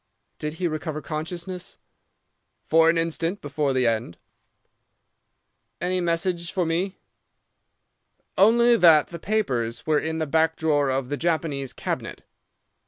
"'Did he recover consciousness?' "'For an instant before the end.' "'Any message for me.' "'Only that the papers were in the back drawer of the Japanese cabinet.